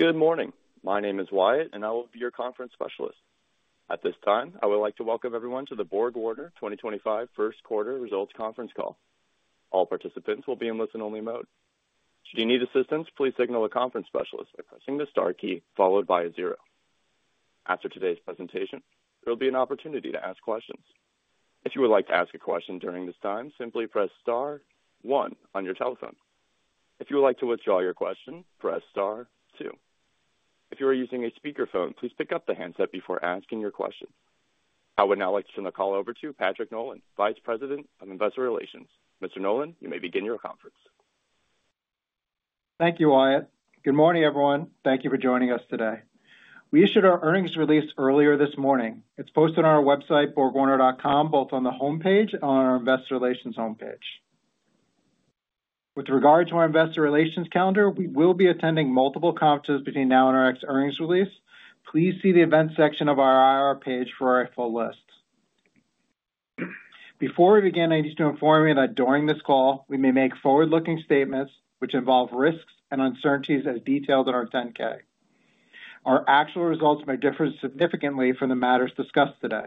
Good morning. My name is Wyatt, and I will be your conference specialist. At this time, I would like to welcome everyone to the BorgWarner 2025 First Quarter Results Conference Call. All participants will be in listen-only mode. Should you need assistance, please signal the conference specialist by pressing the star key followed by a zero. After today's presentation, there will be an opportunity to ask questions. If you would like to ask a question during this time, simply press star one on your telephone. If you would like to withdraw your question, press star two. If you are using a speakerphone, please pick up the handset before asking your question. I would now like to turn the call over to Patrick Nolan, Vice President of Investor Relations. Mr. Nolan, you may begin your conference. Thank you, Wyatt. Good morning, everyone. Thank you for joining us today. We issued our earnings release earlier this morning. It's posted on our website, borgwarner.com, both on the homepage and on our Investor Relations homepage. With regard to our Investor Relations calendar, we will be attending multiple conferences between now and our next earnings release. Please see the events section of our IR page for a full list. Before we begin, I need to inform you that during this call, we may make forward-looking statements which involve risks and uncertainties as detailed in our 10-K. Our actual results may differ significantly from the matters discussed today.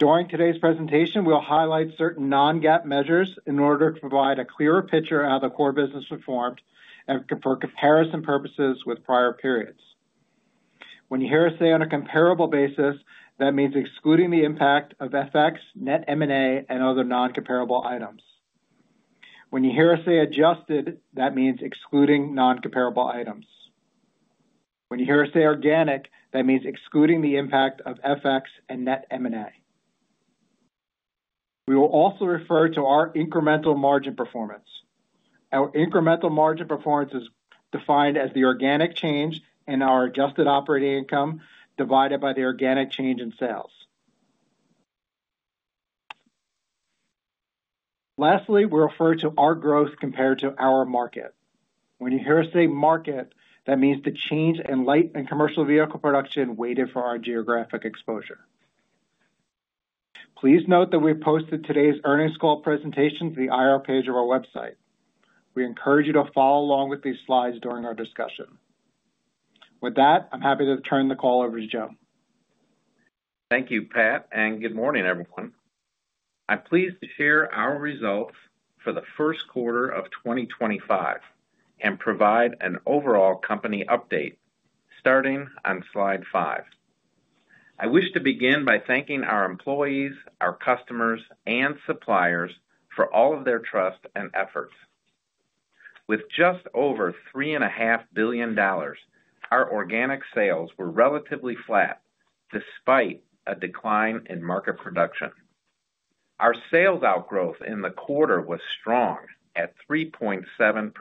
During today's presentation, we'll highlight certain non-GAAP measures in order to provide a clearer picture of how the core business performed and for comparison purposes with prior periods. When you hear us say on a comparable basis, that means excluding the impact of FX, net M&A, and other non-comparable items. When you hear us say adjusted, that means excluding non-comparable items. When you hear us say organic, that means excluding the impact of FX and net M&A. We will also refer to our incremental margin performance. Our incremental margin performance is defined as the organic change in our adjusted operating income divided by the organic change in sales. Lastly, we refer to our growth compared to our market. When you hear us say market, that means the change in light and commercial vehicle production weighted for our geographic exposure. Please note that we posted today's earnings call presentation to the IR page of our website. We encourage you to follow along with these slides during our discussion. With that, I'm happy to turn the call over to Joe. Thank you, Pat, and good morning, everyone. I'm pleased to share our results for the first quarter of 2025 and provide an overall company update starting on slide five. I wish to begin by thanking our employees, our customers, and suppliers for all of their trust and efforts. With just over $3.5 billion, our organic sales were relatively flat despite a decline in market production. Our sales outgrowth in the quarter was strong at 3.7%,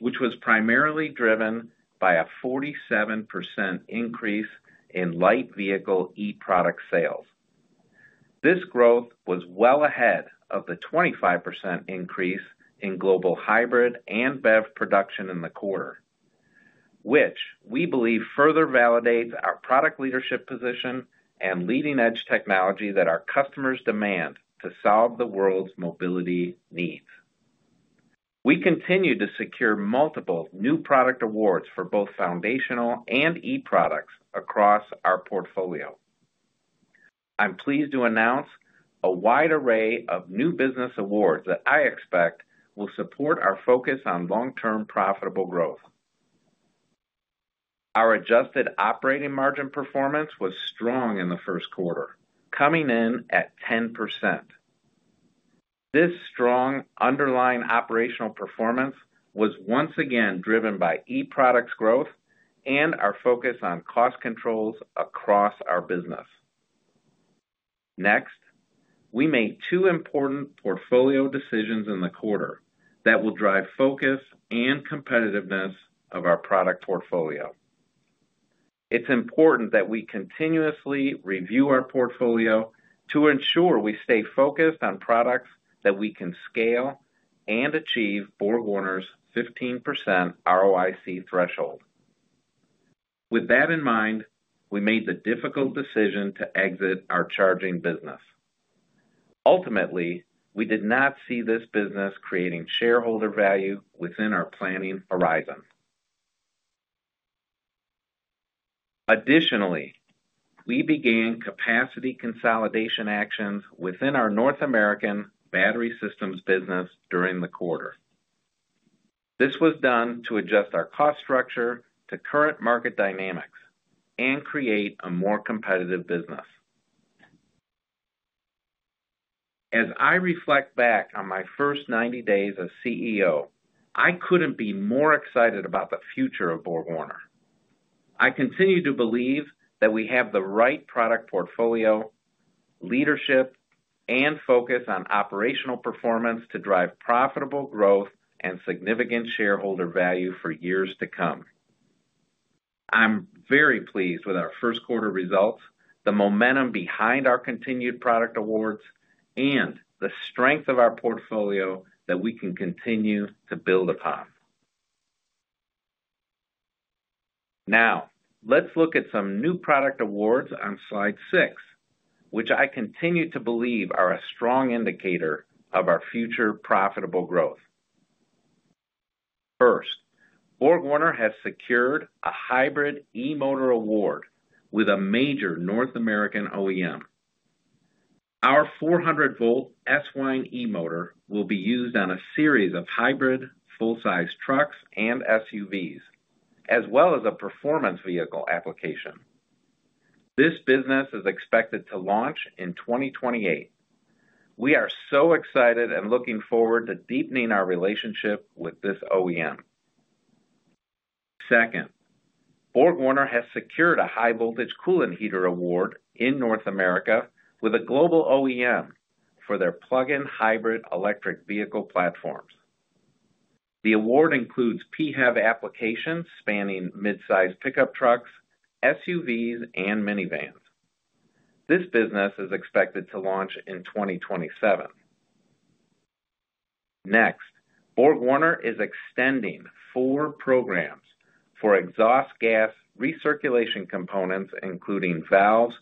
which was primarily driven by a 47% increase in light vehicle e-product sales. This growth was well ahead of the 25% increase in global hybrid and BEV production in the quarter, which we believe further validates our product leadership position and leading-edge technology that our customers demand to solve the world's mobility needs. We continue to secure multiple new product awards for both foundational and e-products across our portfolio. I'm pleased to announce a wide array of new business awards that I expect will support our focus on long-term profitable growth. Our adjusted operating margin performance was strong in the first quarter, coming in at 10%. This strong underlying operational performance was once again driven by e-products growth and our focus on cost controls across our business. Next, we made two important portfolio decisions in the quarter that will drive focus and competitiveness of our product portfolio. It's important that we continuously review our portfolio to ensure we stay focused on products that we can scale and achieve BorgWarner's 15% ROIC threshold. With that in mind, we made the difficult decision to exit our charging business. Ultimately, we did not see this business creating shareholder value within our planning horizons. Additionally, we began capacity consolidation actions within our North American battery systems business during the quarter. This was done to adjust our cost structure to current market dynamics and create a more competitive business. As I reflect back on my first 90 days as CEO, I couldn't be more excited about the future of BorgWarner. I continue to believe that we have the right product portfolio, leadership, and focus on operational performance to drive profitable growth and significant shareholder value for years to come. I'm very pleased with our first quarter results, the momentum behind our continued product awards, and the strength of our portfolio that we can continue to build upon. Now, let's look at some new product awards on slide six, which I continue to believe are a strong indicator of our future profitable growth. First, BorgWarner has secured a hybrid e-motor award with a major North American OEM. Our 400-volt S-Wind e-motor will be used on a series of hybrid full-size trucks and SUVs, as well as a performance vehicle application. This business is expected to launch in 2028. We are so excited and looking forward to deepening our relationship with this OEM. Second, BorgWarner has secured a high-voltage coolant heater award in North America with a global OEM for their plug-in hybrid electric vehicle platforms. The award includes PHEV applications spanning mid-size pickup trucks, SUVs, and minivans. This business is expected to launch in 2027. Next, BorgWarner is extending four programs for exhaust gas recirculation components, including valves,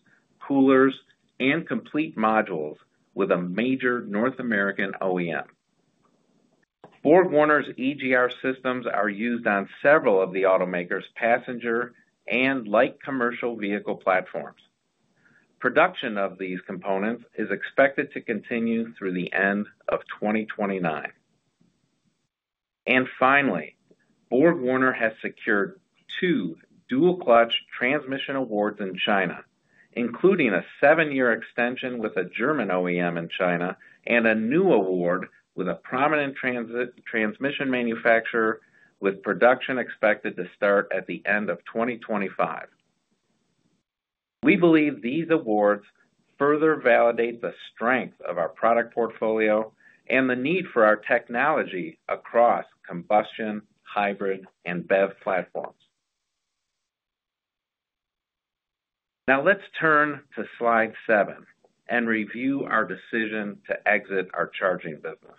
coolers, and complete modules with a major North American OEM. BorgWarner's EGR systems are used on several of the automaker's passenger and light commercial vehicle platforms. Production of these components is expected to continue through the end of 2029. Finally, BorgWarner has secured two dual-clutch transmission awards in China, including a seven-year extension with a German OEM in China and a new award with a prominent transmission manufacturer, with production expected to start at the end of 2025. We believe these awards further validate the strength of our product portfolio and the need for our technology across combustion, hybrid, and BEV platforms. Now, let's turn to slide seven and review our decision to exit our charging business.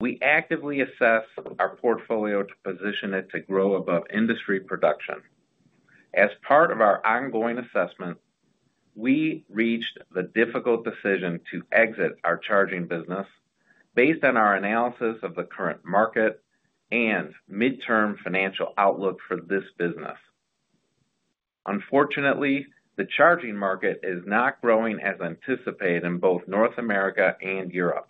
We actively assess our portfolio to position it to grow above industry production. As part of our ongoing assessment, we reached the difficult decision to exit our charging business based on our analysis of the current market and midterm financial outlook for this business. Unfortunately, the charging market is not growing as anticipated in both North America and Europe.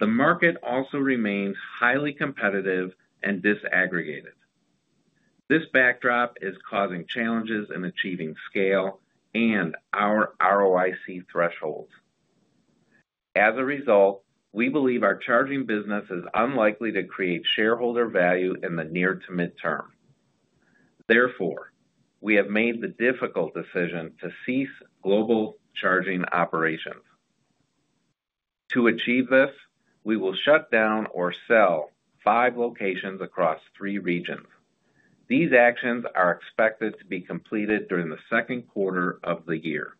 The market also remains highly competitive and disaggregated. This backdrop is causing challenges in achieving scale and our ROIC thresholds. As a result, we believe our charging business is unlikely to create shareholder value in the near to midterm. Therefore, we have made the difficult decision to cease global charging operations. To achieve this, we will shut down or sell five locations across three regions. These actions are expected to be completed during the second quarter of the year.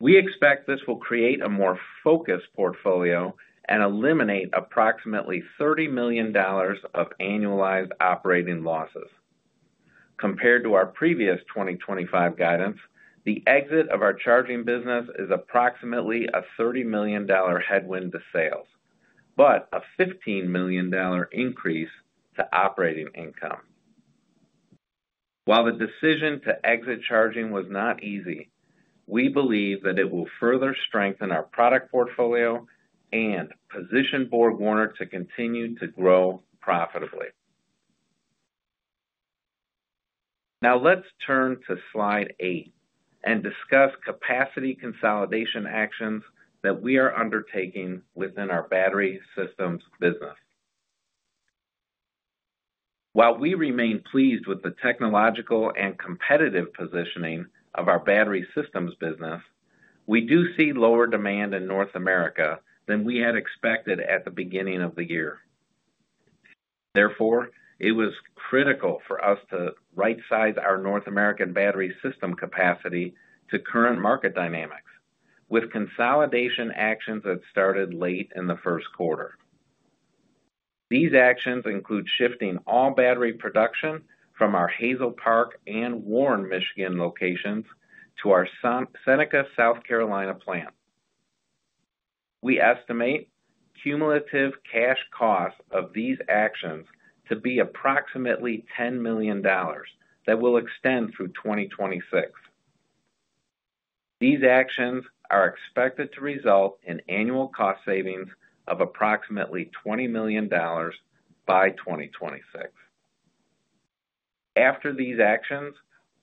We expect this will create a more focused portfolio and eliminate approximately $30 million of annualized operating losses. Compared to our previous 2025 guidance, the exit of our charging business is approximately a $30 million headwind to sales, but a $15 million increase to operating income. While the decision to exit charging was not easy, we believe that it will further strengthen our product portfolio and position BorgWarner to continue to grow profitably. Now, let's turn to slide eight and discuss capacity consolidation actions that we are undertaking within our battery systems business. While we remain pleased with the technological and competitive positioning of our battery systems business, we do see lower demand in North America than we had expected at the beginning of the year. Therefore, it was critical for us to right-size our North American battery system capacity to current market dynamics with consolidation actions that started late in the first quarter. These actions include shifting all battery production from our Hazel Park and Warren, Michigan locations to our Seneca, South Carolina plant. We estimate cumulative cash costs of these actions to be approximately $10 million that will extend through 2026. These actions are expected to result in annual cost savings of approximately $20 million by 2026. After these actions,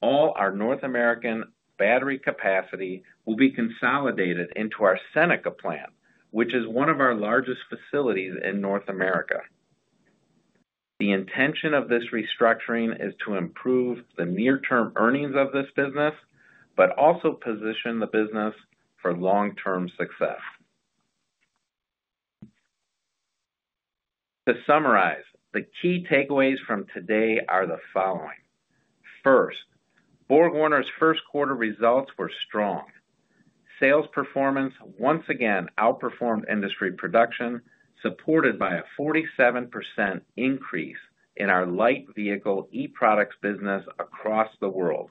all our North American battery capacity will be consolidated into our Seneca plant, which is one of our largest facilities in North America. The intention of this restructuring is to improve the near-term earnings of this business, but also position the business for long-term success. To summarize, the key takeaways from today are the following. First, BorgWarner's first quarter results were strong. Sales performance once again outperformed industry production, supported by a 47% increase in our light vehicle e-products business across the world.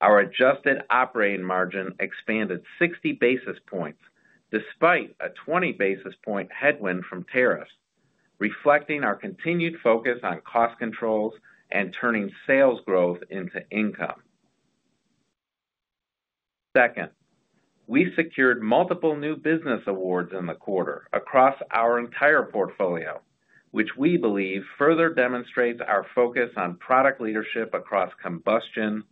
Our adjusted operating margin expanded 60 basis points despite a 20 basis point headwind from tariffs, reflecting our continued focus on cost controls and turning sales growth into income. Second, we secured multiple new business awards in the quarter across our entire portfolio, which we believe further demonstrates our focus on product leadership across combustion,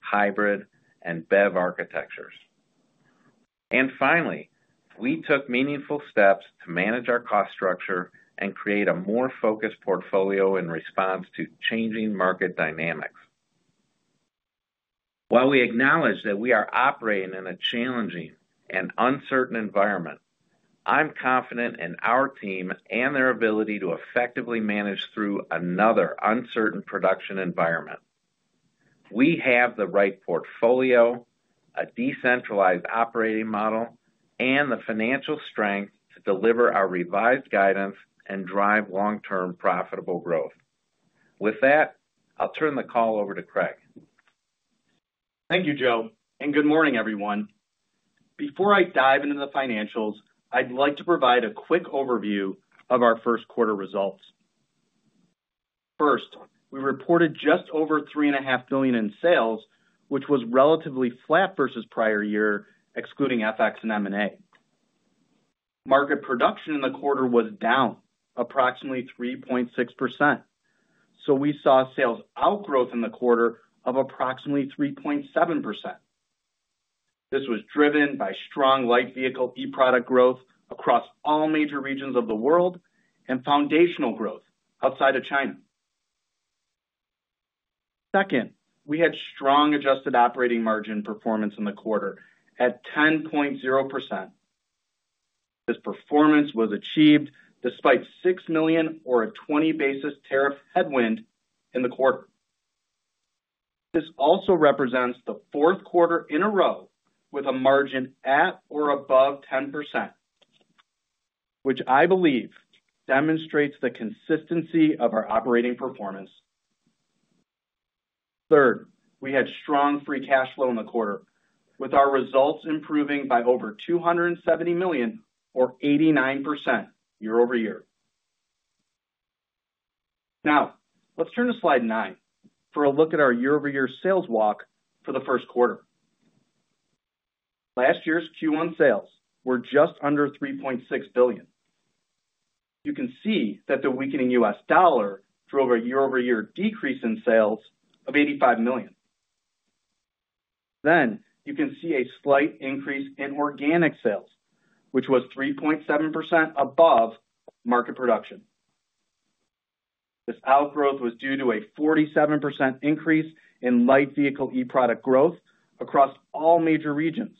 hybrid, and BEV architectures. Finally, we took meaningful steps to manage our cost structure and create a more focused portfolio in response to changing market dynamics. While we acknowledge that we are operating in a challenging and uncertain environment, I'm confident in our team and their ability to effectively manage through another uncertain production environment. We have the right portfolio, a decentralized operating model, and the financial strength to deliver our revised guidance and drive long-term profitable growth. With that, I'll turn the call over to Craig. Thank you, Joe. Good morning, everyone. Before I dive into the financials, I'd like to provide a quick overview of our first quarter results. First, we reported just over $3.5 billion in sales, which was relatively flat versus prior year, excluding FX and M&A. Market production in the quarter was down approximately 3.6%. We saw sales outgrowth in the quarter of approximately 3.7%. This was driven by strong light vehicle e-product growth across all major regions of the world and foundational growth outside of China. Second, we had strong adjusted operating margin performance in the quarter at 10.0%. This performance was achieved despite $6 million or a 20 basis point tariff headwind in the quarter. This also represents the fourth quarter in a row with a margin at or above 10%, which I believe demonstrates the consistency of our operating performance. Third, we had strong free cash flow in the quarter, with our results improving by over $270 million or 89% year-over-year. Now, let's turn to slide nine for a look at our year-over-year sales walk for the first quarter. Last year's Q1 sales were just under $3.6 billion. You can see that the weakening U.S. dollar drove a year-over-year decrease in sales of $85 million. You can see a slight increase in organic sales, which was 3.7% above market production. This outgrowth was due to a 47% increase in light vehicle e-product growth across all major regions,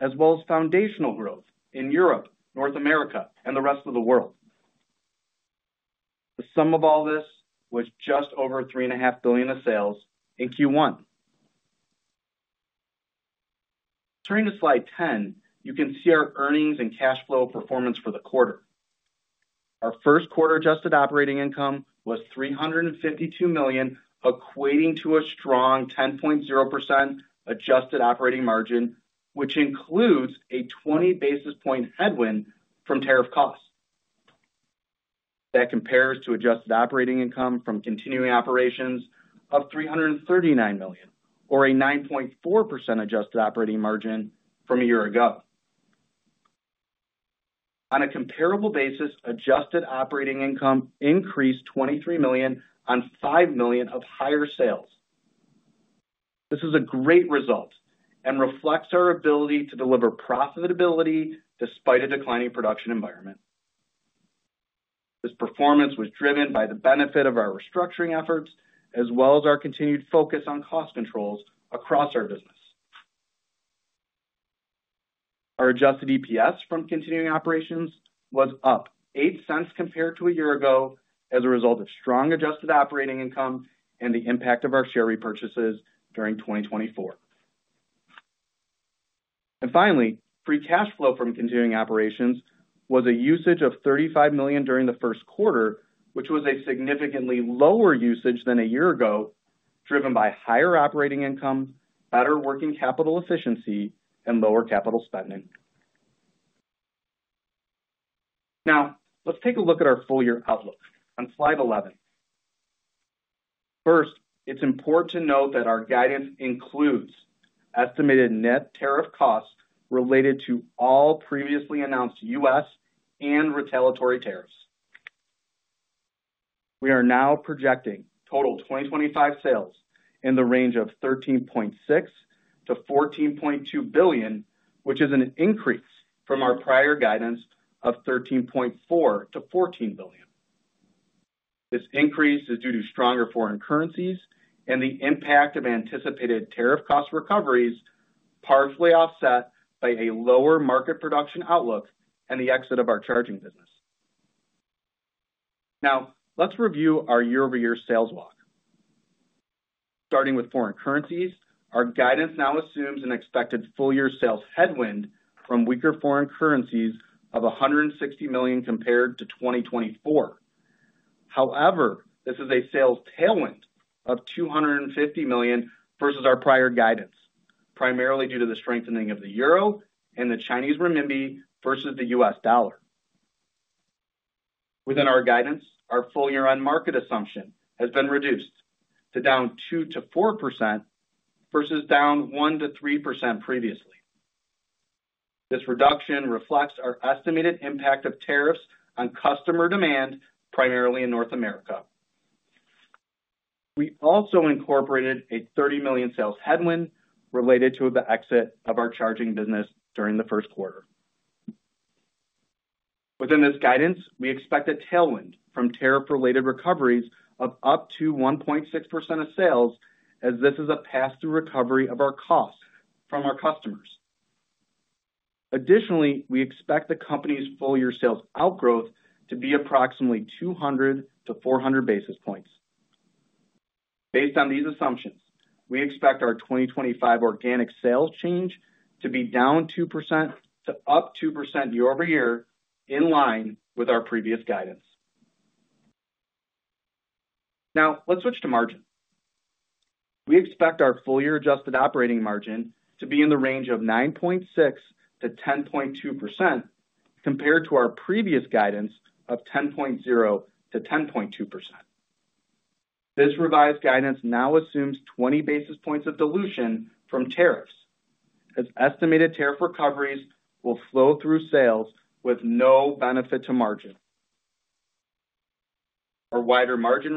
as well as foundational growth in Europe, North America, and the rest of the world. The sum of all this was just over $3.5 billion of sales in Q1. Turning to slide 10, you can see our earnings and cash flow performance for the quarter. Our first quarter adjusted operating income was $352 million, equating to a strong 10.0% adjusted operating margin, which includes a 20 basis point headwind from tariff costs. That compares to adjusted operating income from continuing operations of $339 million, or a 9.4% adjusted operating margin from a year ago. On a comparable basis, adjusted operating income increased $23 million on $5 million of higher sales. This is a great result and reflects our ability to deliver profitability despite a declining production environment. This performance was driven by the benefit of our restructuring efforts, as well as our continued focus on cost controls across our business. Our adjusted EPS from continuing operations was up $0.08 compared to a year ago as a result of strong adjusted operating income and the impact of our share repurchases during 2024. Finally, free cash flow from continuing operations was a usage of $35 million during the first quarter, which was a significantly lower usage than a year ago, driven by higher operating income, better working capital efficiency, and lower capital spending. Now, let's take a look at our full year outlook on slide 11. First, it's important to note that our guidance includes estimated net tariff costs related to all previously announced U.S. and retaliatory tariffs. We are now projecting total 2025 sales in the range of $13.6 billion-$14.2 billion, which is an increase from our prior guidance of $13.4 billion-$14 billion. This increase is due to stronger foreign currencies and the impact of anticipated tariff cost recoveries, partially offset by a lower market production outlook and the exit of our charging business. Now, let's review our year-over-year sales walk. Starting with foreign currencies, our guidance now assumes an expected full year sales headwind from weaker foreign currencies of $160 million compared to 2024. However, this is a sales tailwind of $250 million versus our prior guidance, primarily due to the strengthening of the euro and the Chinese renminbi versus the U.S. dollar. Within our guidance, our full year-on-market assumption has been reduced to down 2%-4% versus down 1%-3% previously. This reduction reflects our estimated impact of tariffs on customer demand, primarily in North America. We also incorporated a $30 million sales headwind related to the exit of our charging business during the first quarter. Within this guidance, we expect a tailwind from tariff-related recoveries of up to 1.6% of sales, as this is a pass-through recovery of our costs from our customers. Additionally, we expect the company's full year sales outgrowth to be approximately 200-400 basis points. Based on these assumptions, we expect our 2025 organic sales change to be down 2% to up 2% year-over-year in line with our previous guidance. Now, let's switch to margin. We expect our full year adjusted operating margin to be in the range of 9.6%-10.2% compared to our previous guidance of 10.0%-10.2%. This revised guidance now assumes 20 basis points of dilution from tariffs, as estimated tariff recoveries will flow through sales with no benefit to margin. Our wider margin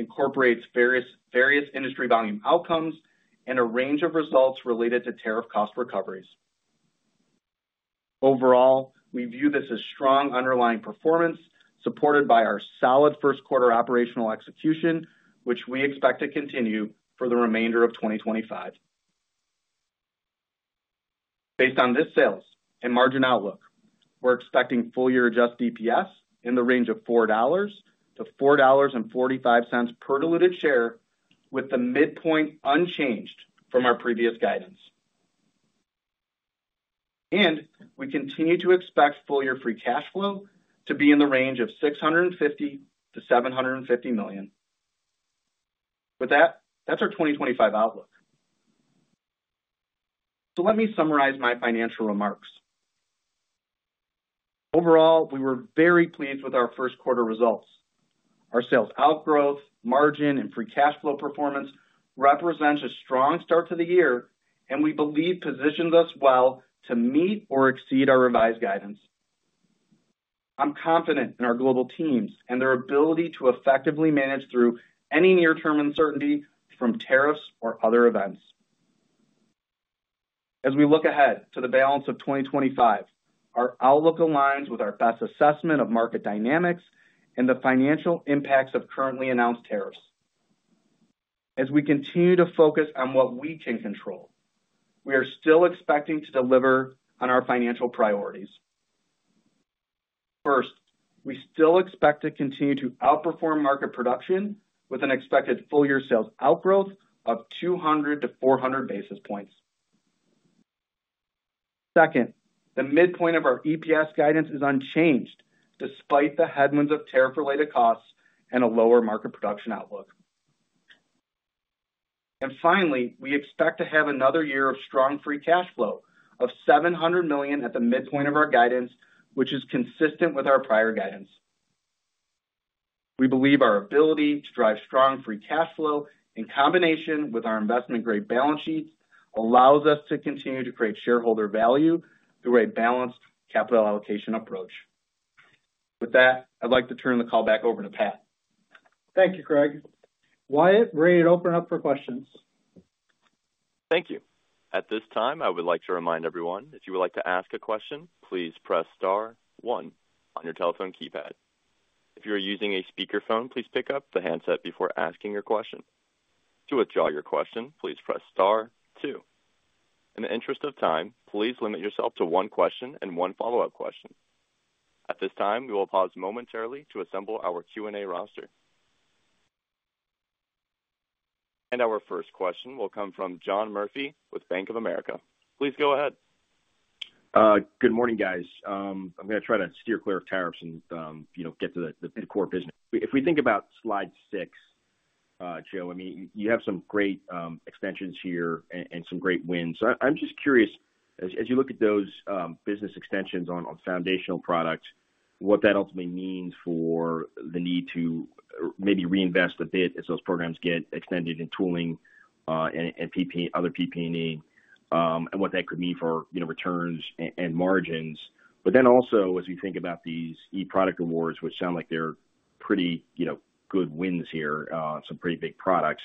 range incorporates various industry volume outcomes and a range of results related to tariff cost recoveries. Overall, we view this as strong underlying performance supported by our solid first quarter operational execution, which we expect to continue for the remainder of 2025. Based on this sales and margin outlook, we're expecting full year adjusted EPS in the range of $4-$4.45 per diluted share, with the midpoint unchanged from our previous guidance. We continue to expect full year free cash flow to be in the range of $650 million-$750 million. With that, that's our 2025 outlook. Let me summarize my financial remarks. Overall, we were very pleased with our first quarter results. Our sales outgrowth, margin, and free cash flow performance represent a strong start to the year, and we believe positions us well to meet or exceed our revised guidance. I'm confident in our global teams and their ability to effectively manage through any near-term uncertainty from tariffs or other events. As we look ahead to the balance of 2025, our outlook aligns with our best assessment of market dynamics and the financial impacts of currently announced tariffs. As we continue to focus on what we can control, we are still expecting to deliver on our financial priorities. First, we still expect to continue to outperform market production with an expected full year sales outgrowth of 200-400 basis points. Second, the midpoint of our EPS guidance is unchanged despite the headwinds of tariff-related costs and a lower market production outlook. Finally, we expect to have another year of strong free cash flow of $700 million at the midpoint of our guidance, which is consistent with our prior guidance. We believe our ability to drive strong free cash flow in combination with our investment-grade balance sheets allows us to continue to create shareholder value through a balanced capital allocation approach. With that, I'd like to turn the call back over to Pat. Thank you, Craig. Wyatt, ready to open up for questions. Thank you. At this time, I would like to remind everyone, if you would like to ask a question, please press star one on your telephone keypad. If you are using a speakerphone, please pick up the handset before asking your question. To withdraw your question, please press star two. In the interest of time, please limit yourself to one question and one follow-up question. At this time, we will pause momentarily to assemble our Q&A roster. Our first question will come from John Murphy with Bank of America. Please go ahead. Good morning, guys. I'm going to try to steer clear of tariffs and get to the core business. If we think about slide six, Joe, I mean, you have some great extensions here and some great wins. So I'm just curious, as you look at those business extensions on foundational products, what that ultimately means for the need to maybe reinvest a bit as those programs get extended in tooling and other PP&E, and what that could mean for returns and margins. But then also, as we think about these e-product awards, which sound like they're pretty good wins here, some pretty big products,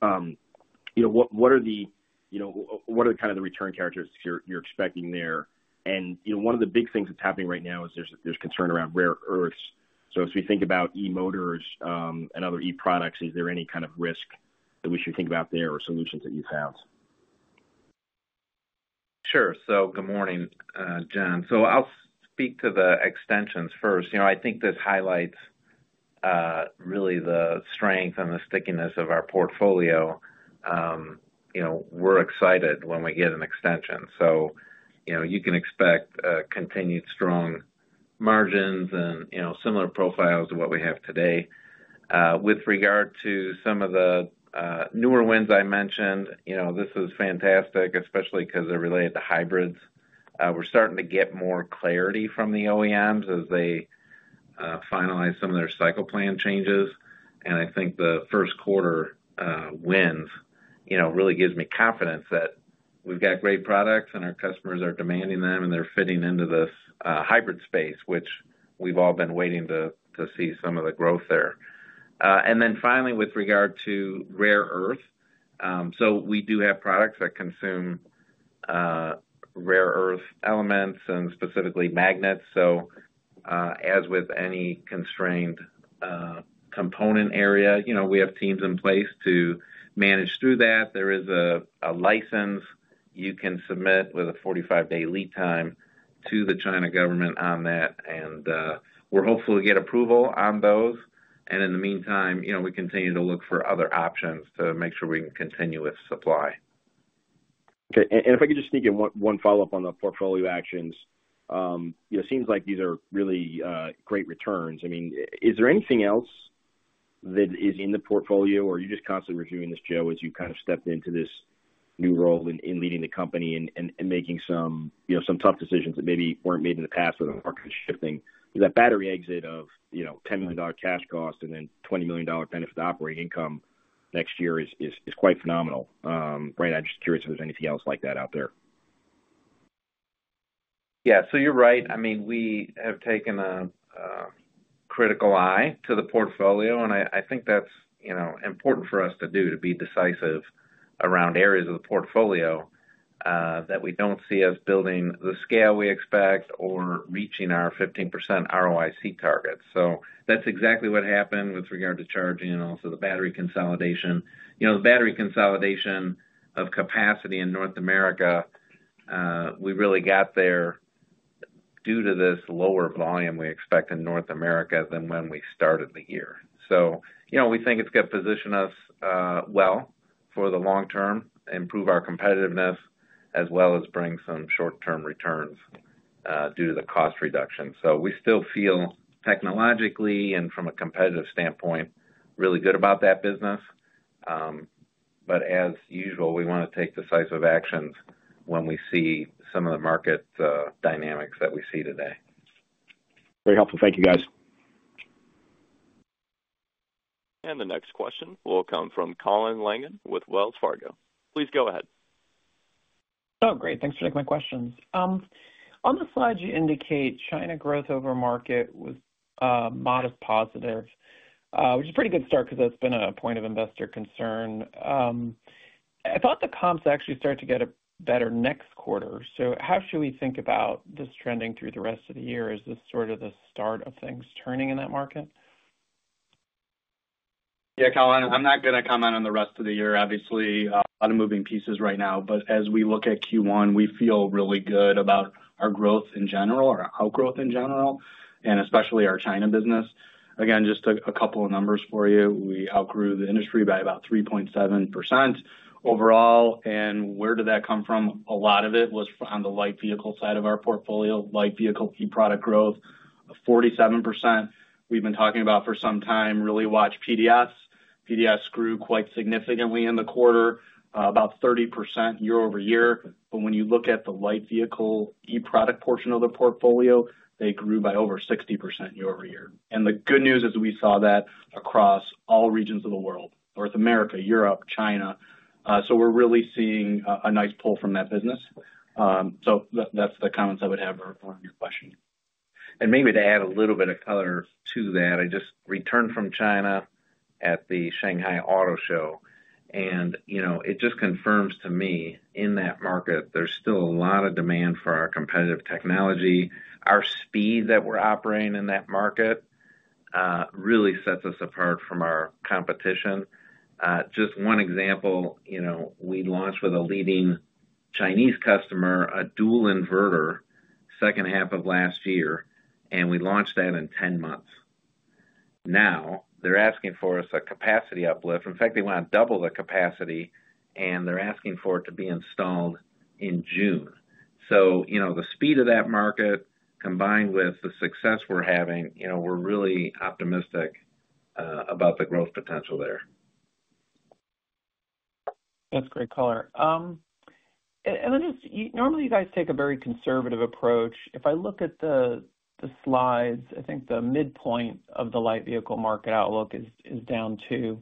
what are the kind of return characteristics you're expecting there? And one of the big things that's happening right now is there's concern around rare earths. As we think about e-motors and other e-products, is there any kind of risk that we should think about there or solutions that you found? Sure. Good morning, John. I'll speak to the extensions first. I think this highlights really the strength and the stickiness of our portfolio. We're excited when we get an extension. You can expect continued strong margins and similar profiles to what we have today. With regard to some of the newer wins I mentioned, this is fantastic, especially because they're related to hybrids. We're starting to get more clarity from the OEMs as they finalize some of their cycle plan changes. I think the first quarter wins really gives me confidence that we've got great products and our customers are demanding them and they're fitting into this hybrid space, which we've all been waiting to see some of the growth there. Finally, with regard to rare earth, we do have products that consume rare earth elements and specifically magnets. As with any constrained component area, we have teams in place to manage through that. There is a license you can submit with a 45-day lead time to the China government on that. We are hopeful to get approval on those. In the meantime, we continue to look for other options to make sure we can continue with supply. Okay. If I could just sneak in one follow-up on the portfolio actions, it seems like these are really great returns. I mean, is there anything else that is in the portfolio, or are you just constantly reviewing this, Joe, as you kind of stepped into this new role in leading the company and making some tough decisions that maybe were not made in the past or the market is shifting? That battery exit of $10 million cash cost and then $20 million benefit to operating income next year is quite phenomenal. Right? I am just curious if there is anything else like that out there. Yeah. So you're right. I mean, we have taken a critical eye to the portfolio, and I think that's important for us to do, to be decisive around areas of the portfolio that we don't see us building the scale we expect or reaching our 15% ROIC target. That's exactly what happened with regard to charging and also the battery consolidation. The battery consolidation of capacity in North America, we really got there due to this lower volume we expect in North America than when we started the year. We think it's going to position us well for the long term, improve our competitiveness, as well as bring some short-term returns due to the cost reduction. We still feel technologically and from a competitive standpoint really good about that business. As usual, we want to take decisive actions when we see some of the market dynamics that we see today. Very helpful. Thank you, guys. The next question will come from Colin Langan with Wells Fargo. Please go ahead. Oh, great. Thanks for taking my questions. On the slide, you indicate China growth over market was modest positive, which is a pretty good start because that's been a point of investor concern. I thought the comps actually started to get better next quarter. How should we think about this trending through the rest of the year? Is this sort of the start of things turning in that market? Yeah, Colin, I'm not going to comment on the rest of the year. Obviously, a lot of moving pieces right now. As we look at Q1, we feel really good about our growth in general, our outgrowth in general, and especially our China business. Again, just a couple of numbers for you. We outgrew the industry by about 3.7% overall. Where did that come from? A lot of it was on the light vehicle side of our portfolio. Light vehicle e-product growth of 47%. We've been talking about for some time, really watch PDS. PDS grew quite significantly in the quarter, about 30% year-over-year. When you look at the light vehicle e-product portion of the portfolio, they grew by over 60% year-over-year. The good news is we saw that across all regions of the world: North America, Europe, China. We're really seeing a nice pull from that business. That's the comments I would have on your question. Maybe to add a little bit of color to that, I just returned from China at the Shanghai Auto Show. It just confirms to me in that market, there's still a lot of demand for our competitive technology. Our speed that we're operating in that market really sets us apart from our competition. Just one example, we launched with a leading Chinese customer, a dual inverter, second half of last year, and we launched that in 10 months. Now, they're asking for us a capacity uplift. In fact, they want to double the capacity, and they're asking for it to be installed in June. The speed of that market combined with the success we're having, we're really optimistic about the growth potential there. That's great color. Normally, you guys take a very conservative approach. If I look at the slides, I think the midpoint of the light vehicle market outlook is down 2%.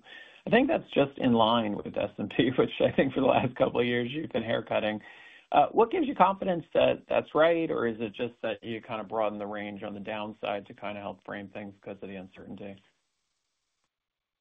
I think that's just in line with S&P, which I think for the last couple of years you've been haircutting. What gives you confidence that that's right, or is it just that you kind of broaden the range on the downside to kind of help frame things because of the uncertainty?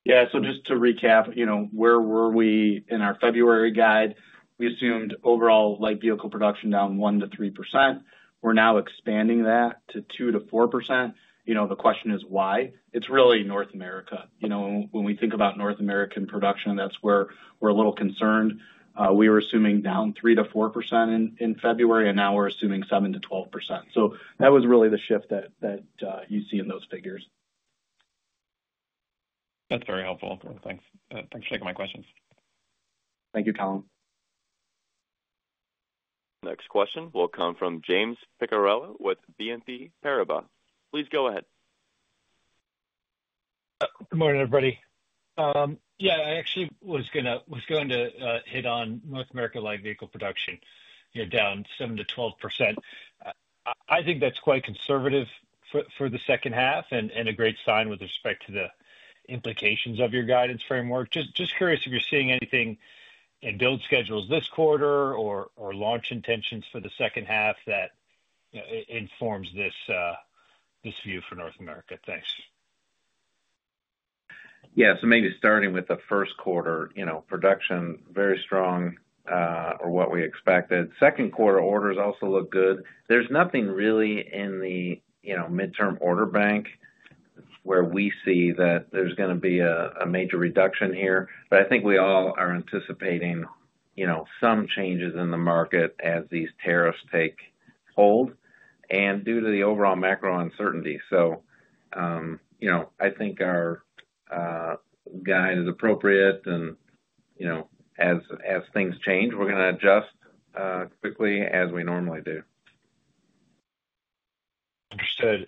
Yeah. So just to recap, where were we in our February guide? We assumed overall light vehicle production down 1%-3%. We're now expanding that to 2%-4%. The question is why? It's really North America. When we think about North American production, that's where we're a little concerned. We were assuming down 3%-4% in February, and now we're assuming 7%-12%. So that was really the shift that you see in those figures. That's very helpful. Thanks for taking my questions. Thank you, Colin. Next question will come from James Picoarella with BNP Paribas. Please go ahead. Good morning, everybody. Yeah, I actually was going to hit on North America light vehicle production down 7%-12%. I think that's quite conservative for the second half and a great sign with respect to the implications of your guidance framework. Just curious if you're seeing anything in build schedules this quarter or launch intentions for the second half that informs this view for North America. Thanks. Yeah. So maybe starting with the first quarter, production very strong or what we expected. Second quarter orders also look good. There is nothing really in the midterm order bank where we see that there is going to be a major reduction here. I think we all are anticipating some changes in the market as these tariffs take hold and due to the overall macro uncertainty. I think our guide is appropriate. As things change, we are going to adjust quickly as we normally do. Understood.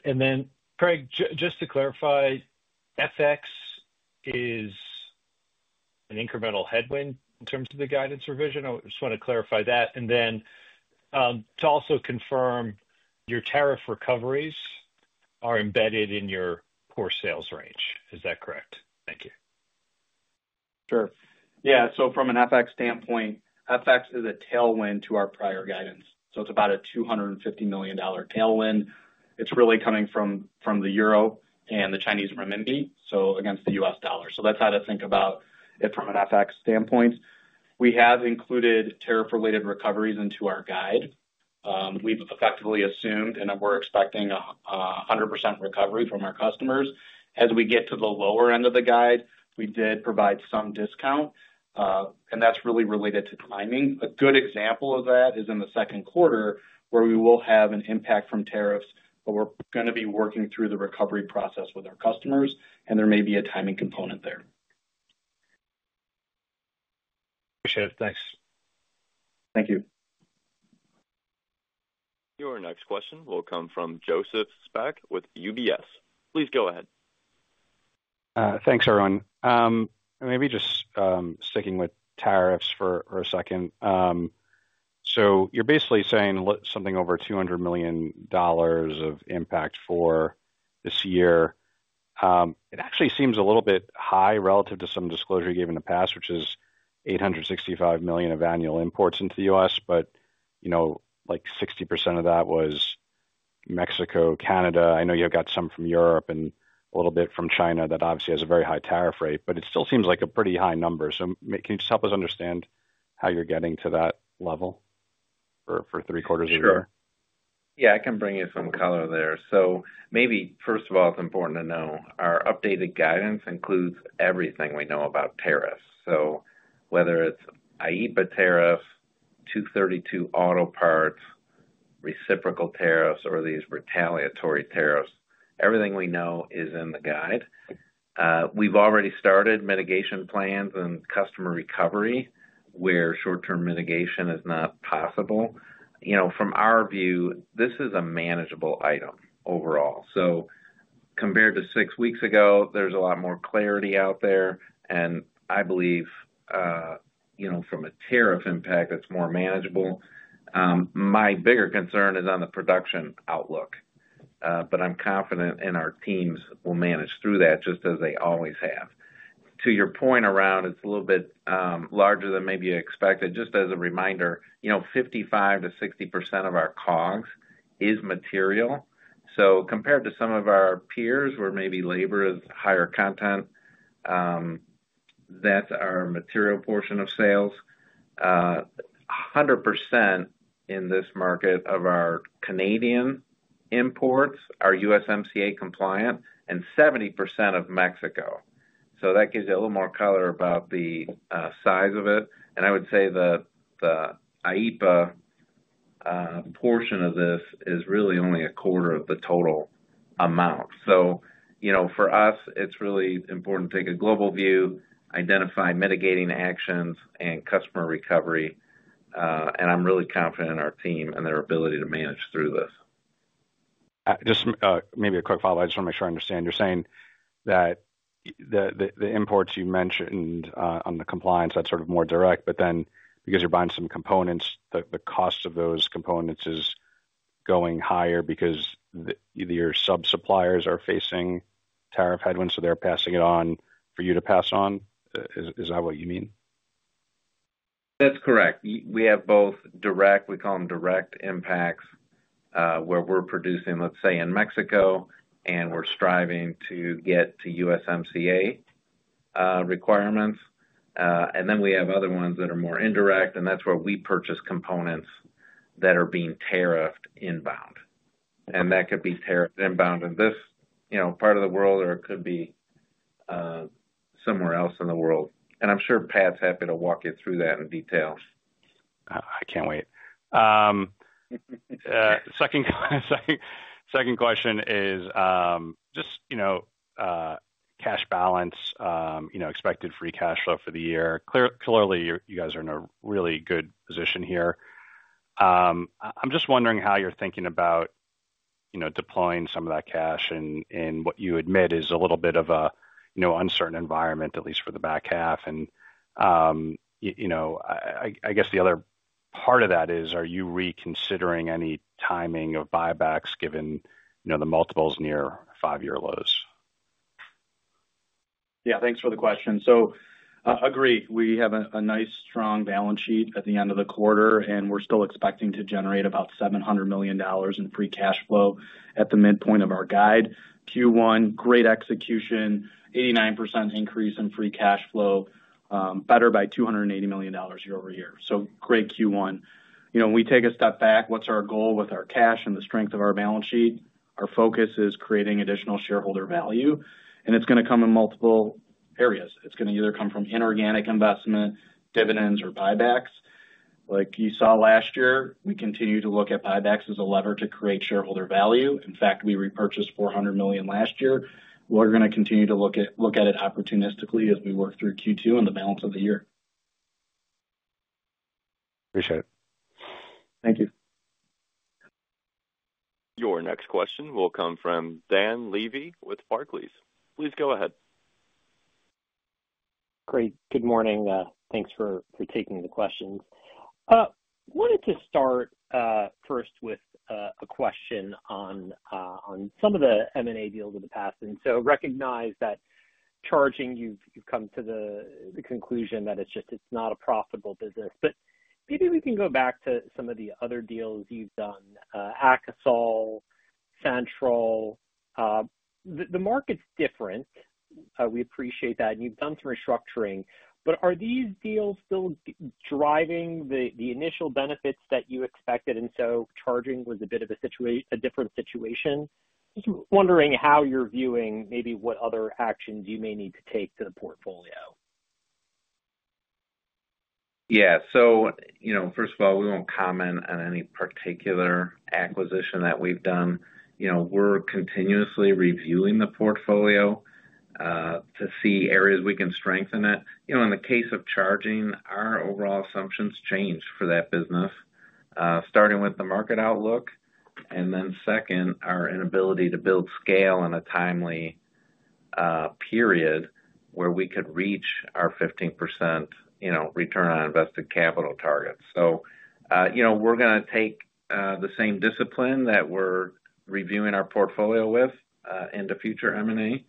Craig, just to clarify, FX is an incremental headwind in terms of the guidance revision. I just want to clarify that. To also confirm, your tariff recoveries are embedded in your core sales range. Is that correct? Thank you. Sure. Yeah. From an FX standpoint, FX is a tailwind to our prior guidance. It is about a $250 million tailwind. It is really coming from the euro and the Chinese renminbi, so against the U.S. dollar. That is how to think about it from an FX standpoint. We have included tariff-related recoveries into our guide. We have effectively assumed and we are expecting a 100% recovery from our customers. As we get to the lower end of the guide, we did provide some discount. That is really related to timing. A good example of that is in the second quarter where we will have an impact from tariffs, but we are going to be working through the recovery process with our customers, and there may be a timing component there. Appreciate it. Thanks. Thank you. Your next question will come from Joseph Spak with UBS. Please go ahead. Thanks, everyone. Maybe just sticking with tariffs for a second. You are basically saying something over $200 million of impact for this year. It actually seems a little bit high relative to some disclosure you gave in the past, which is $865 million of annual imports into the U.S., but like 60% of that was Mexico, Canada. I know you have got some from Europe and a little bit from China that obviously has a very high tariff rate, but it still seems like a pretty high number. Can you just help us understand how you are getting to that level for three quarters of the year? Sure. Yeah, I can bring you some color there. Maybe first of all, it's important to know our updated guidance includes everything we know about tariffs. Whether it's IEEPA tariff, 232 auto parts, reciprocal tariffs, or these retaliatory tariffs, everything we know is in the guide. We've already started mitigation plans and customer recovery where short-term mitigation is not possible. From our view, this is a manageable item overall. Compared to six weeks ago, there's a lot more clarity out there. I believe from a tariff impact, it's more manageable. My bigger concern is on the production outlook, but I'm confident in our teams will manage through that just as they always have. To your point around, it's a little bit larger than maybe you expected. Just as a reminder, 55%-60% of our cogs is material. Compared to some of our peers where maybe labor is higher content, that's our material portion of sales. 100% in this market of our Canadian imports are USMCA compliant and 70% of Mexico. That gives you a little more color about the size of it. I would say the IEEPA portion of this is really only a quarter of the total amount. For us, it's really important to take a global view, identify mitigating actions, and customer recovery. I'm really confident in our team and their ability to manage through this. Just maybe a quick follow-up. I just want to make sure I understand. You're saying that the imports you mentioned on the compliance, that's sort of more direct. Then because you're buying some components, the cost of those components is going higher because your sub-suppliers are facing tariff headwinds, so they're passing it on for you to pass on. Is that what you mean? That's correct. We have both direct. We call them direct impacts where we're producing, let's say, in Mexico, and we're striving to get to USMCA requirements. We have other ones that are more indirect, and that's where we purchase components that are being tariffed inbound. That could be tariffed inbound in this part of the world, or it could be somewhere else in the world. I'm sure Pat's happy to walk you through that in detail. I can't wait. Second question is just cash balance, expected free cash flow for the year. Clearly, you guys are in a really good position here. I'm just wondering how you're thinking about deploying some of that cash in what you admit is a little bit of an uncertain environment, at least for the back half. I guess the other part of that is, are you reconsidering any timing of buybacks given the multiples near five-year lows? Yeah, thanks for the question. Agree. We have a nice strong balance sheet at the end of the quarter, and we're still expecting to generate about $700 million in free cash flow at the midpoint of our guide. Q1, great execution, 89% increase in free cash flow, better by $280 million year-over-year. Great Q1. We take a step back. What's our goal with our cash and the strength of our balance sheet? Our focus is creating additional shareholder value. It's going to come in multiple areas. It's going to either come from inorganic investment, dividends, or buybacks. Like you saw last year, we continue to look at buybacks as a lever to create shareholder value. In fact, we repurchased $400 million last year. We're going to continue to look at it opportunistically as we work through Q2 and the balance of the year. Appreciate it. Thank you. Your next question will come from Dan Levy with Barclays. Please go ahead. Craig, good morning. Thanks for taking the questions. I wanted to start first with a question on some of the M&A deals in the past. I recognize that charging, you've come to the conclusion that it's just not a profitable business. Maybe we can go back to some of the other deals you've done, Akasol, Central. The market's different. We appreciate that. You've done some restructuring. Are these deals still driving the initial benefits that you expected? Charging was a bit of a different situation. I'm just wondering how you're viewing maybe what other actions you may need to take to the portfolio. Yeah. First of all, we won't comment on any particular acquisition that we've done. We're continuously reviewing the portfolio to see areas we can strengthen it. In the case of charging, our overall assumptions changed for that business, starting with the market outlook. Then, our inability to build scale in a timely period where we could reach our 15% return on invested capital target. We're going to take the same discipline that we're reviewing our portfolio with into future M&A.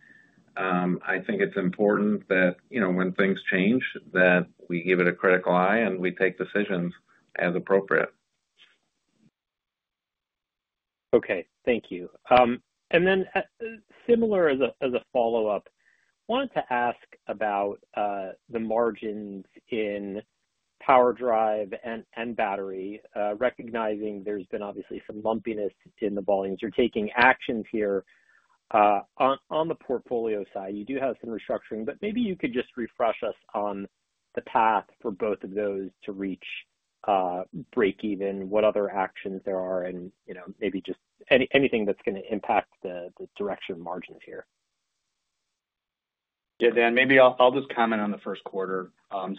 I think it's important that when things change, we give it a critical eye and we take decisions as appropriate. Okay. Thank you. Then, similar as a follow-up, I wanted to ask about the margins in PowerDrive and battery, recognizing there's been obviously some lumpiness in the volumes. You're taking actions here. On the portfolio side, you do have some restructuring, but maybe you could just refresh us on the path for both of those to reach break-even, what other actions there are, and maybe just anything that's going to impact the direction of margins here. Yeah, Dan, maybe I'll just comment on the first quarter.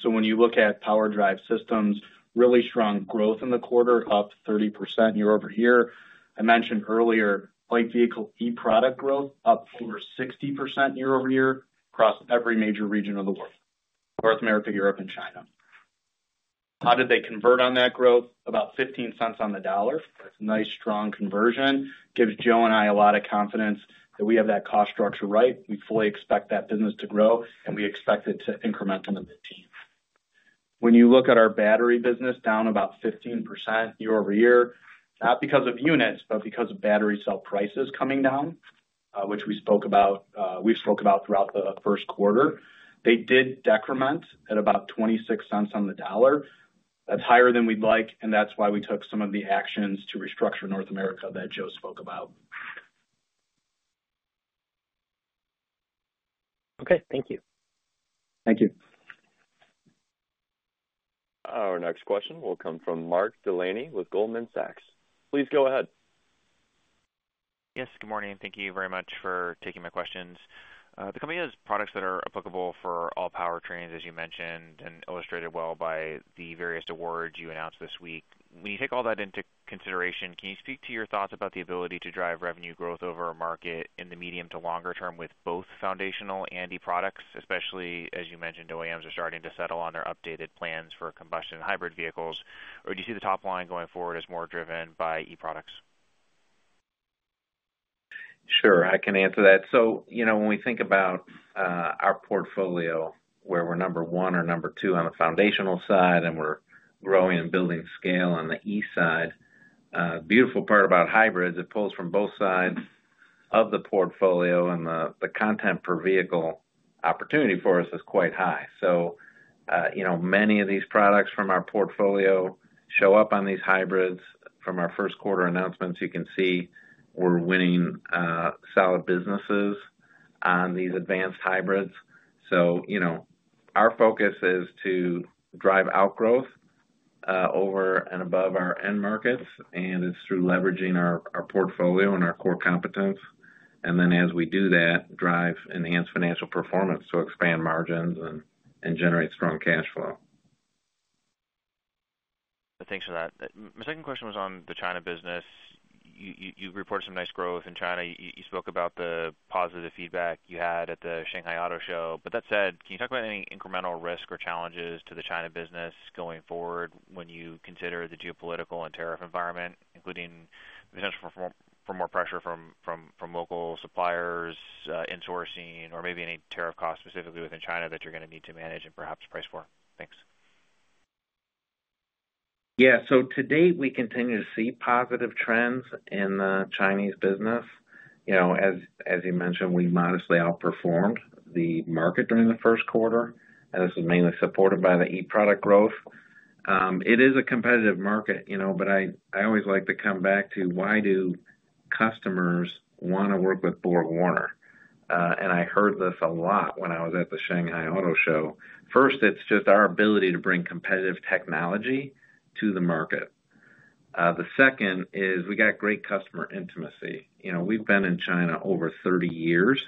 When you look at PowerDrive Systems, really strong growth in the quarter, up 30% year-over-year. I mentioned earlier, light vehicle e-product growth up over 60% year-over-year across every major region of the world: North America, Europe, and China. How did they convert on that growth? About $0.15 on the dollar. That's a nice strong conversion. Gives Joe and I a lot of confidence that we have that cost structure right. We fully expect that business to grow, and we expect it to increment in the mid-teens. When you look at our battery business, down about 15% year-over-=year, not because of units, but because of battery cell prices coming down, which we spoke about. We spoke about throughout the first quarter. They did decrement at about $0.26 on the dollar. That's higher than we'd like, and that's why we took some of the actions to restructure North America that Joe spoke about. Okay. Thank you. Thank you. Our next question will come from Mark Delaney with Goldman Sachs. Please go ahead. Yes. Good morning. Thank you very much for taking my questions. The company has products that are applicable for all powertrains, as you mentioned, and illustrated well by the various awards you announced this week. When you take all that into consideration, can you speak to your thoughts about the ability to drive revenue growth over a market in the medium to longer term with both foundational and e-products, especially as you mentioned, OEMs are starting to settle on their updated plans for combustion hybrid vehicles? Do you see the top line going forward as more driven by e-products? Sure. I can answer that. When we think about our portfolio where we're number one or number two on the foundational side, and we're growing and building scale on the e side, the beautiful part about hybrids is it pulls from both sides of the portfolio, and the content per vehicle opportunity for us is quite high. Many of these products from our portfolio show up on these hybrids. From our first quarter announcements, you can see we're winning solid businesses on these advanced hybrids. Our focus is to drive outgrowth over and above our end markets, and it's through leveraging our portfolio and our core competence. As we do that, drive enhanced financial performance to expand margins and generate strong cash flow. Thanks for that. My second question was on the China business. You reported some nice growth in China. You spoke about the positive feedback you had at the Shanghai Auto Show. That said, can you talk about any incremental risk or challenges to the China business going forward when you consider the geopolitical and tariff environment, including the potential for more pressure from local suppliers, insourcing, or maybe any tariff costs specifically within China that you're going to need to manage and perhaps price for? Thanks. Yeah. To date, we continue to see positive trends in the Chinese business. As you mentioned, we modestly outperformed the market during the first quarter. This is mainly supported by the e-product growth. It is a competitive market, but I always like to come back to why do customers want to work with BorgWarner? I heard this a lot when I was at the Shanghai Auto Show. First, it is just our ability to bring competitive technology to the market. The second is we have great customer intimacy. We have been in China over 30 years,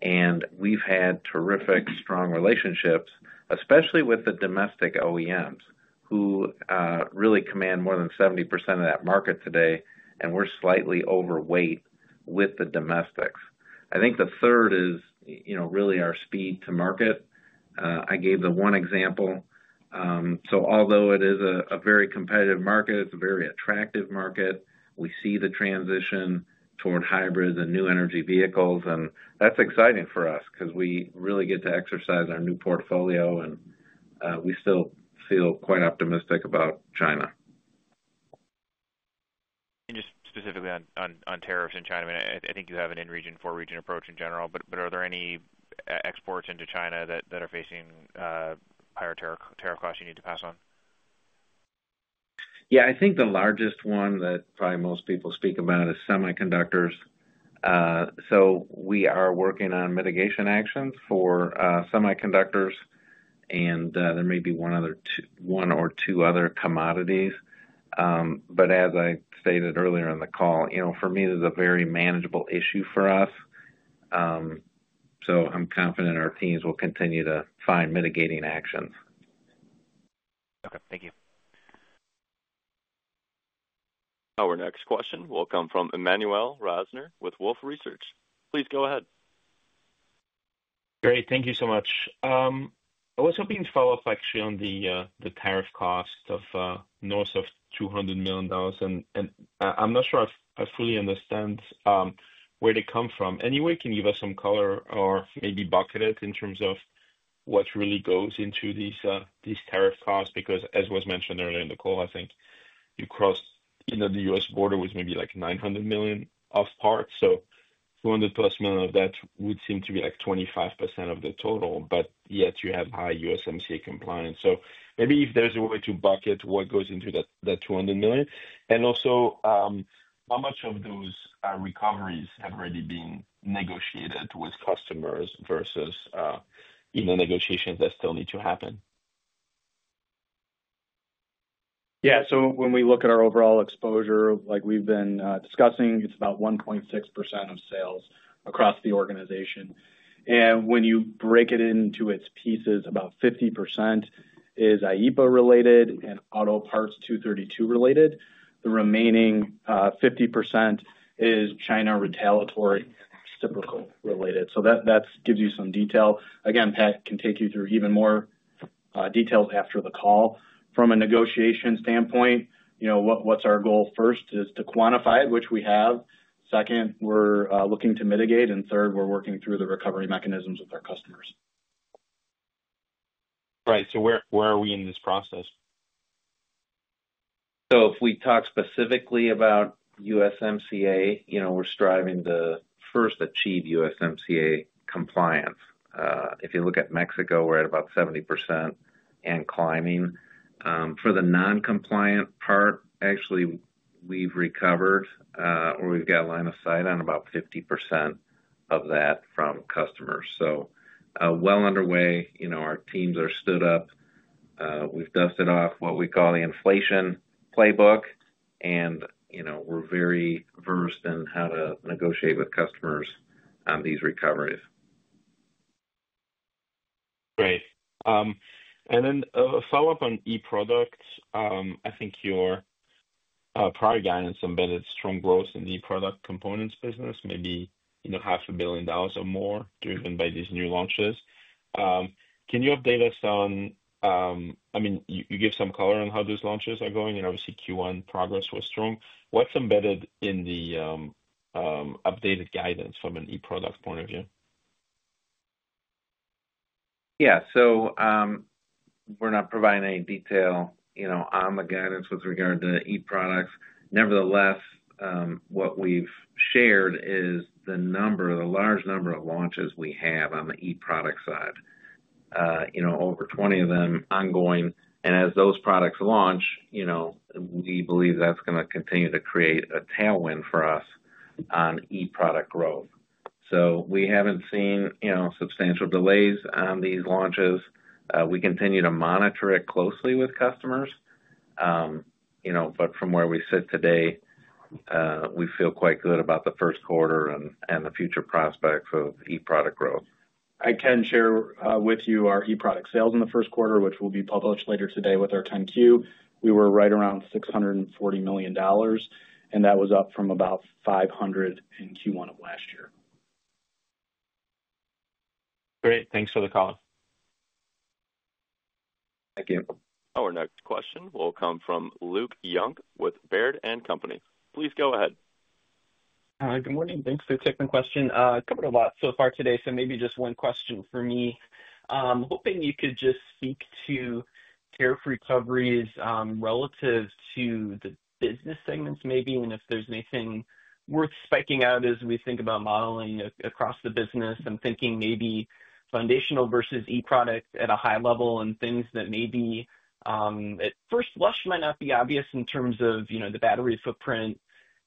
and we have had terrific strong relationships, especially with the domestic OEMs who really command more than 70% of that market today, and we are slightly overweight with the domestics. I think the third is really our speed to market. I gave the one example. Although it is a very competitive market, it's a very attractive market. We see the transition toward hybrids and new energy vehicles. That's exciting for us because we really get to exercise our new portfolio, and we still feel quite optimistic about China. Just specifically on tariffs in China, I mean, I think you have an in-region, four-region approach in general. Are there any exports into China that are facing higher tariff costs you need to pass on? Yeah. I think the largest one that probably most people speak about is semiconductors. We are working on mitigation actions for semiconductors, and there may be one or two other commodities. As I stated earlier in the call, for me, this is a very manageable issue for us. I'm confident our teams will continue to find mitigating actions. Okay. Thank you. Our next question will come from Emmanuel Rosner with Wolfe Research. Please go ahead. Great. Thank you so much. I was hoping to follow up actually on the tariff cost of north of $200 million. I am not sure I fully understand where they come from. Anyway, can you give us some color or maybe bucket it in terms of what really goes into these tariff costs? Because as was mentioned earlier in the call, I think you crossed the U.S. border with maybe like $900 million of parts. $200 million plus of that would seem to be like 25% of the total, yet you have high USMCA compliance. Maybe if there is a way to bucket what goes into that $200 million. Also, how much of those recoveries have already been negotiated with customers versus negotiations that still need to happen? Yeah. So when we look at our overall exposure, like we've been discussing, it's about 1.6% of sales across the organization. When you break it into its pieces, about 50% is IEEPA-related and AutoParts 232-related. The remaining 50% is China retaliatory and reciprocal-related. That gives you some detail. Again, Pat can take you through even more details after the call. From a negotiation standpoint, what's our goal? First, is to quantify it, which we have. Second, we're looking to mitigate. Third, we're working through the recovery mechanisms with our customers. Right. So where are we in this process? If we talk specifically about USMCA, we're striving to first achieve USMCA compliance. If you look at Mexico, we're at about 70% and climbing. For the non-compliant part, actually, we've recovered or we've got a line of sight on about 50% of that from customers. So well underway. Our teams are stood up. We've dusted off what we call the inflation playbook. And we're very versed in how to negotiate with customers on these recoveries. Great. Then a follow-up on e-products. I think your prior guidance embedded strong growth in the e-product components business, maybe $500 million or more driven by these new launches. Can you update us on, I mean, you give some color on how those launches are going, and obviously, Q1 progress was strong. What's embedded in the updated guidance from an e-product point of view? Yeah. So we're not providing any detail on the guidance with regard to e-products. Nevertheless, what we've shared is the number, the large number of launches we have on the e-product side, over 20 of them ongoing. As those products launch, we believe that's going to continue to create a tailwind for us on e-product growth. We haven't seen substantial delays on these launches. We continue to monitor it closely with customers. From where we sit today, we feel quite good about the first quarter and the future prospects of e-product growth. I can share with you our e-product sales in the first quarter, which will be published later today with our 10-Q. We were right around $640 million, and that was up from about $500 million in Q1 of last year. Great. Thanks for the call. Thank you. Our next question will come from Luke Young with Baird & Company. Please go ahead. Hi. Good morning. Thanks for taking the question. Covered a lot so far today, so maybe just one question for me. Hoping you could just speak to tariff recoveries relative to the business segments maybe, and if there's anything worth spiking out as we think about modeling across the business and thinking maybe foundational versus e-products at a high level and things that maybe at first blush might not be obvious in terms of the battery footprint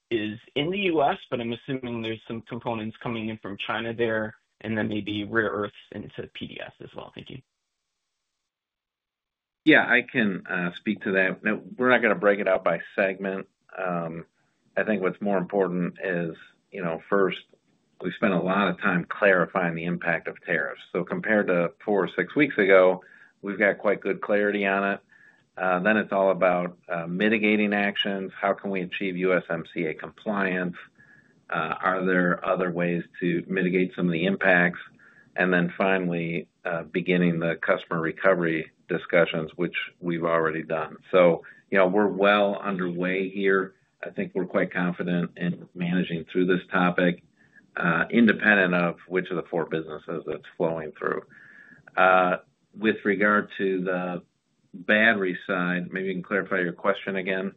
is in the U.S., but I'm assuming there's some components coming in from China there and then maybe rare earths into PDS as well. Thank you. Yeah. I can speak to that. We're not going to break it out by segment. I think what's more important is first, we spent a lot of time clarifying the impact of tariffs. Compared to four or six weeks ago, we've got quite good clarity on it. Then it's all about mitigating actions. How can we achieve USMCA compliance? Are there other ways to mitigate some of the impacts? Finally, beginning the customer recovery discussions, which we've already done. We're well underway here. I think we're quite confident in managing through this topic, independent of which of the four businesses that's flowing through. With regard to the battery side, maybe you can clarify your question again.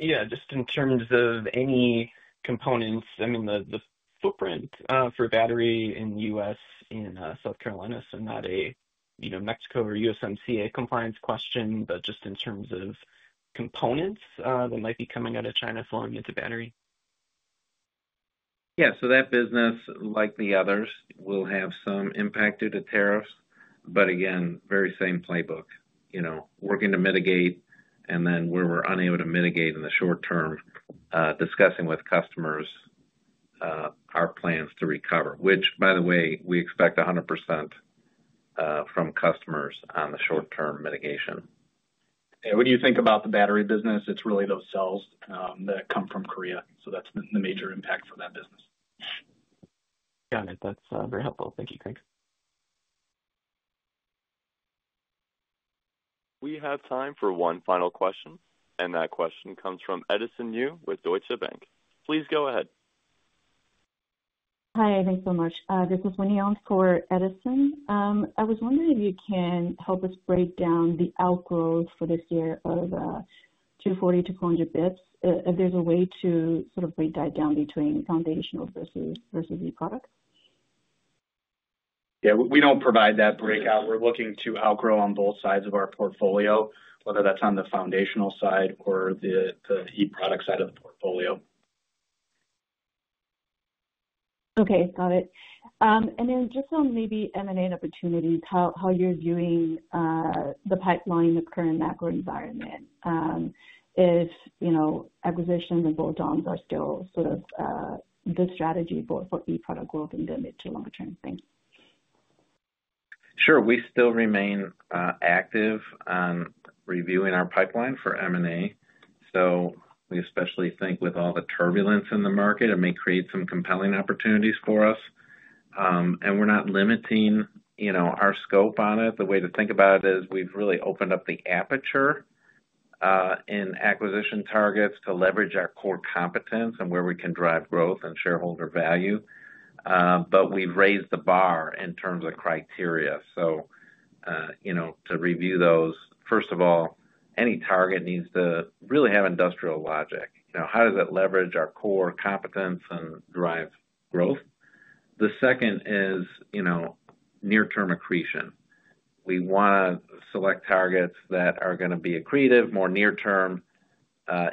Yeah. Just in terms of any components, I mean, the footprint for battery in the U.S. in South Carolina. Not a Mexico or USMCA compliance question, but just in terms of components that might be coming out of China flowing into battery. Yeah. That business, like the others, will have some impact due to tariffs. Again, very same playbook. Working to mitigate, and then where we're unable to mitigate in the short term, discussing with customers our plans to recover, which, by the way, we expect 100% from customers on the short-term mitigation. When you think about the battery business, it's really those cells that come from Korea. That's the major impact for that business. Got it. That's very helpful. Thank you. Thanks. We have time for one final question. That question comes from Edison Yu with Deutsche Bank. Please go ahead. Hi. Thanks so much. This is Winnie Young for Edison. I was wondering if you can help us break down the outgrowth for this year of 240-400 basis points, if there's a way to sort of break that down between foundational versus e-products. Yeah. We do not provide that breakout. We are looking to outgrow on both sides of our portfolio, whether that is on the foundational side or the e-product side of the portfolio. Okay. Got it. And then just on maybe M&A opportunities, how you're viewing the pipeline, the current macro environment, if acquisitions and bolt-ons are still sort of the strategy for e-product growth and then mid to long-term things. Sure. We still remain active on reviewing our pipeline for M&A. We especially think with all the turbulence in the market, it may create some compelling opportunities for us. We are not limiting our scope on it. The way to think about it is we have really opened up the aperture in acquisition targets to leverage our core competence and where we can drive growth and shareholder value. We have raised the bar in terms of criteria. To review those, first of all, any target needs to really have industrial logic. How does it leverage our core competence and drive growth? The second is near-term accretion. We want to select targets that are going to be accretive, more near-term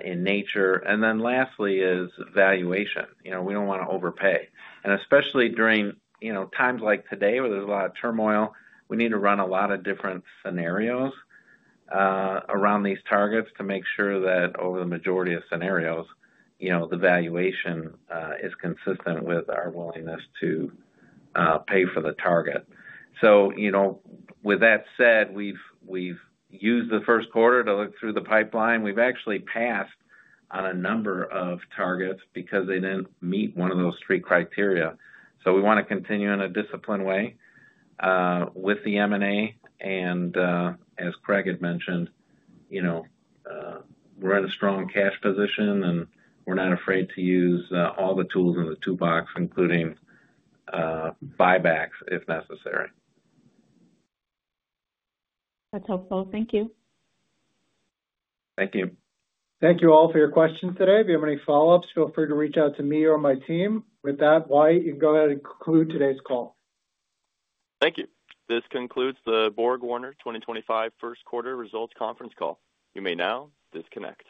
in nature. Lastly is valuation. We do not want to overpay. Especially during times like today where there is a lot of turmoil, we need to run a lot of different scenarios around these targets to make sure that over the majority of scenarios, the valuation is consistent with our willingness to pay for the target. With that said, we have used the first quarter to look through the pipeline. We have actually passed on a number of targets because they did not meet one of those three criteria. We want to continue in a disciplined way with the M&A. As Craig had mentioned, we are in a strong cash position, and we are not afraid to use all the tools in the toolbox, including buybacks if necessary. That's helpful. Thank you. Thank you. Thank you all for your questions today. If you have any follow-ups, feel free to reach out to me or my team. With that, Wyatt, you can go ahead and conclude today's call. Thank you. This concludes the BorgWarner 2025 First Quarter Results Conference Call. You may now disconnect.